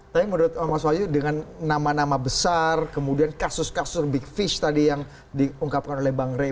tapi menurut mas wahyu dengan nama nama besar kemudian kasus kasus big fish tadi yang diungkapkan oleh bang rey